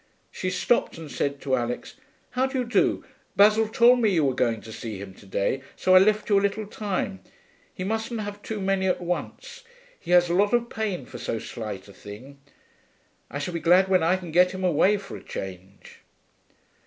She stopped and said to Alix, 'How do you do? Basil told me you were going to see him to day, so I left you a little time. He mustn't have too many at once. He has a lot of pain, for so slight a thing.... I shall be glad when I can get him away for a change.'